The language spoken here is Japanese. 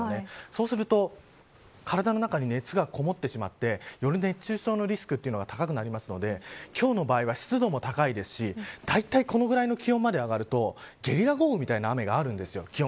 そうすると体の中に熱がこもってしまってより熱中症のリスクが高くなってしまうので今日の場合は湿度も高いですしだいたいこのぐらいの気温まで上がるとゲリラ豪雨みたいな雨があるんです。